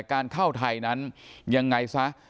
การเข้าไทยนั้นยังไงซะ